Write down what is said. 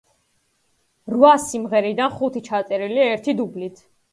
რვა სიმღერიდან ხუთი ჩაწერილია ერთი დუბლით.